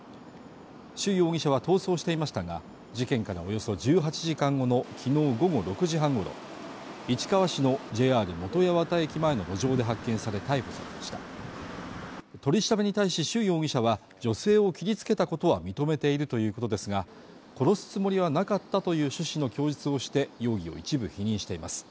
朱容疑者は逃走していましたが事件からおよそ１８時間後のきのう午後６時半ごろ市川市のＪＲ本八幡駅前の路上で発見され逮捕されました取り調べに対し朱容疑者は女性を切りつけたことは認めているということですが殺すつもりはなかったという趣旨の供述をして容疑を一部否認しています